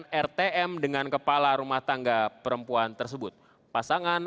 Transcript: pertanyaan terakhir bagaimana kepala rumah tangga perempuan tersebut bisa memperbaiki kesehatan tersebut